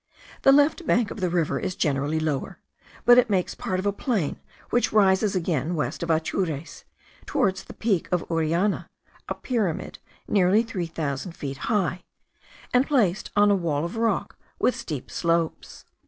The left bank of the river is generally lower, but it makes part of a plane which rises again west of Atures, towards the Peak of Uniana, a pyramid nearly three thousand feet high, and placed on a wall of rock with steep slopes.